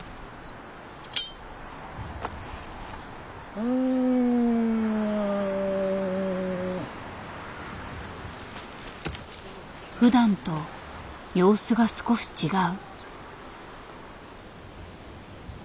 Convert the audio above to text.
うん。ふだんと様子が少し違う。